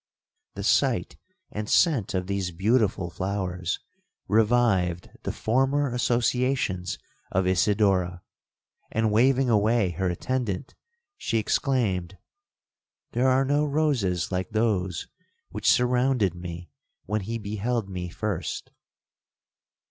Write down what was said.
The sight and scent of these beautiful flowers, revived the former associations of Isidora; and, waving away her attendant, she exclaimed, 'There are no roses like those which surrounded me when he beheld me first!'